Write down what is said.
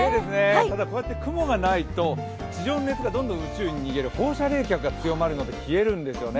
ただ、雲がないと地上の熱が宇宙に逃げる放射冷却が強まるので冷えるんですよね。